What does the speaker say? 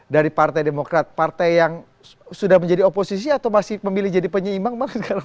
dari partai demokrat partai yang sudah menjadi oposisi atau masih memilih jadi penyeimbang